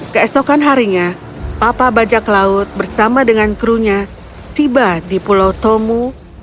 keesokan harinya papa bajak laut bersama dengan krunya tiba di pulau tomu